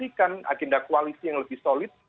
memberikan agenda koalisi yang lebih solid